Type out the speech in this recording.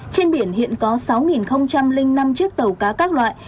trên biển hiện có sáu năm chiếc tàu cá các loại